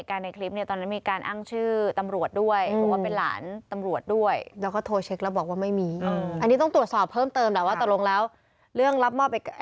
ร้านใหญ่ร้านตัวร้านไทยผมไม่ทราบ